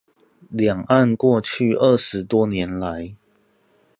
兩岸過去二十多年來